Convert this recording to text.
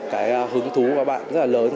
cái hứng thú của các bạn rất là lớn